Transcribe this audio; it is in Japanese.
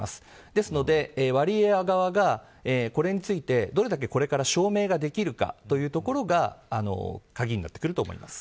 ですので、ワリエワ側がこれについて、どれだけ証明できるかというところが鍵になってくると思います。